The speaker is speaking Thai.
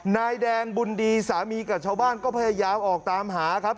นายแดงบุญดีสามีกับชาวบ้านก็พยายามออกตามหาครับ